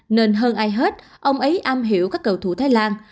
nên hơn ai hết ông ấy am hiểu các cầu thủ thái lan